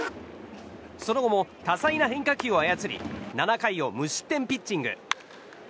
その後も多彩な変化球を操り７回を無失点ピッチング。